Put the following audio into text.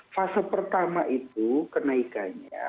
fase pertama itu kenaikannya